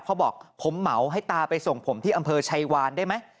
เขาบอกผมเหมาให้ตาไปส่งผมที่อำเภอชัยวานได้ไหม